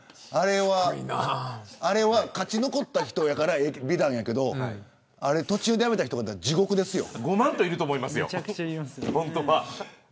あれは勝ち残った人だから美談やけど途中でやめた人からしたら地獄ですよね。